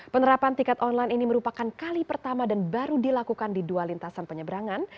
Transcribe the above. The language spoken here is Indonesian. penerapan tiket online ini merupakan kali pertama dan baru dilakukan di dua lintasan penyeberangan